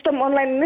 setelah hal ini